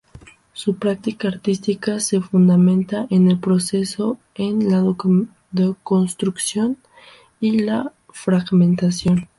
Su práctica artística se fundamenta en el proceso, en la deconstrucción y la fragmentación.